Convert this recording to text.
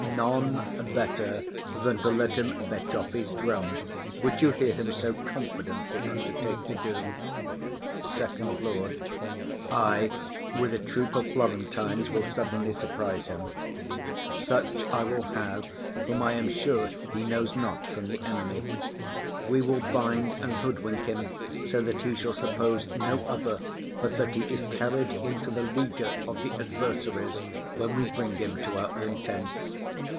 None better than to let him fetch off his drum, which you hear him so confidently undertake to do. FIRST LORD. I with a troop of Florentines will suddenly surprise him; such I will have whom I am sure he knows not from the enemy; we will bind and hoodwink him so that he shall suppose no other but that he is carried into the leaguer of the adversaries when we bring him to our own tents.